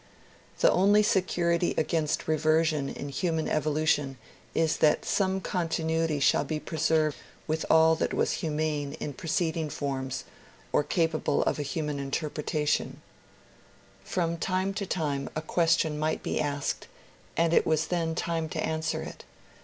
The only security against reversion in human evolution is that some continuity shall be preserved with all that was humane in preceding forms or capable of a human interpretation. BEECHER AND EMERSON 171 From time to time a question might be asked, and it was then time to answer it.